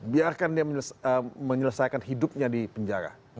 biarkan dia menyelesaikan hidupnya di penjara